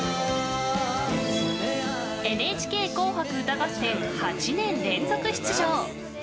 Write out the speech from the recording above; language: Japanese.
「ＮＨＫ紅白歌合戦」８年連続出場。